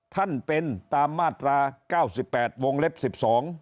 ท่านเป็นตามมาตรา๙๘วงเล็บ๑๒